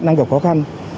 đang gặp khó khăn